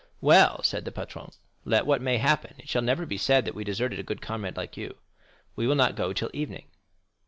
"Well," said the patron, "let what may happen, it shall never be said that we deserted a good comrade like you. We will not go till evening."